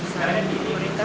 karena banyak berarti ya